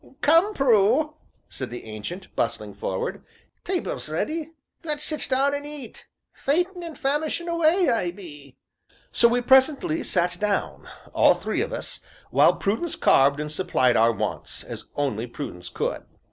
"Come, Prue," said the Ancient, bustling forward, "table's ready let's sit down an' eat faintin' an' famishin' away, I be!" So we presently sat down, all three of us, while Prudence carved and supplied our wants, as only Prudence could.